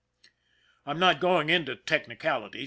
I'm not going into technicalities.